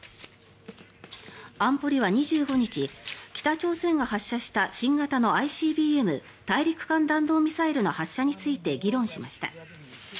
安保理は２５日北朝鮮が発射した新型のＩＣＢＭ・大陸間弾道ミサイルの発射について議論しました。